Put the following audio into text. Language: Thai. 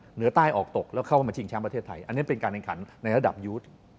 เหนือใต้ออกตกแล้วเข้ามาชิงแชมป์ประเทศไทยอันนี้เป็นการแข่งขันในระดับยูท